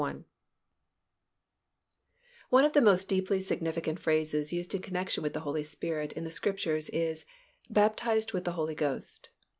One of the most deeply significant phrases used in connection with the Holy Spirit in the Scriptures is "baptized with the Holy Ghost."